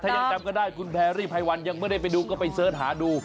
ถ้ายังจำก็ได้คุณแพรรี่ไพวันยังไม่ได้ไปดูก็ไปเสิร์ชหาดู